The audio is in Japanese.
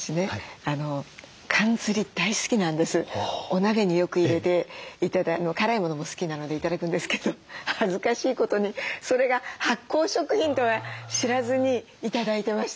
お鍋によく入れて辛いものも好きなので頂くんですけど恥ずかしいことにそれが発酵食品とは知らずに頂いてました。